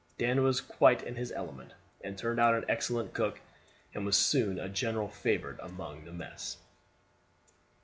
Dan was quite in his element, and turned out an excellent cook, and was soon a general favorite among the mess.